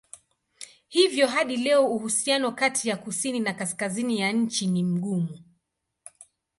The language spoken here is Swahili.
Hivyo hadi leo uhusiano kati ya kusini na kaskazini ya nchi ni mgumu.